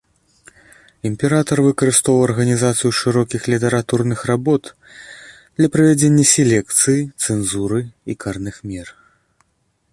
Імператар выкарыстоўваў арганізацыю шырокіх літаратурных работ для правядзення селекцыі, цэнзуры і карных мер.